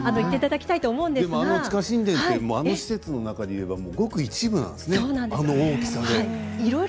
地下神殿というのはあの施設の中で、ごく一部なんですね、あの大きさで。